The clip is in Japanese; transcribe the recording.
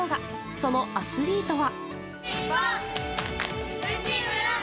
そのアスリートは。